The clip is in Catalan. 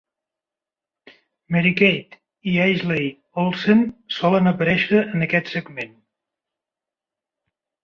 Mary-Kate i Ashley Olsen solen aparèixer en aquest segment.